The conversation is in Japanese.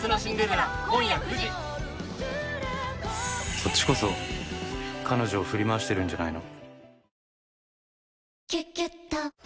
「そっちこそ彼女を振り回してるんじゃないの？」